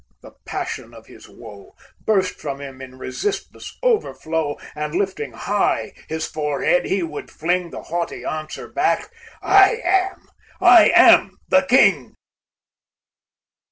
the passion of his woe, Burst from him in resistless overflow, And, lifting high his forehead he would fling The haughty answer back, "I am, I am, the King!"